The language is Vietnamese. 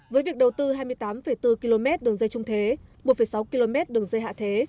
với việc đầu tư hai mươi tám bốn km đường dây trung thế một sáu km đường dây hạ thế